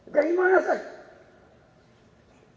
dari mana saja